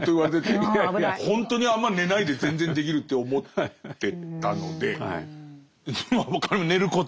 ほんとにあんま寝ないで全然できるって思ってたので寝ること。